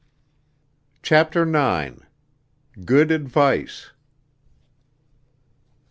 CHAPTER IX. GOOD ADVICE.